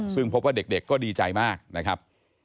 ซึ่งพบว่าเด็กก็ดีใจมากนะครับ